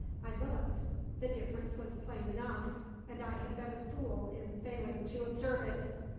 I looked. The difference was plain enough, and I had been a fool in failing to observe it.